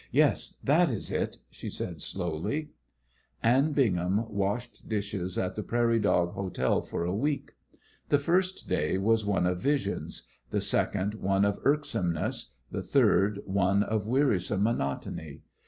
"Yes, that is it!" she said, slowly. Anne Bingham washed dishes at the Prairie Dog Hotel for a week. The first day was one of visions; the second one of irksomeness; the third one of wearisome monotony.